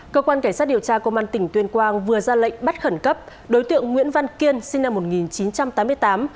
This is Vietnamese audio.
cơ quan cảnh sát điều tra công an tỉnh tuyên quang vừa ra lệnh bắt khẩn cấp đối tượng nguyễn văn kiên sinh năm một nghìn chín trăm tám mươi tám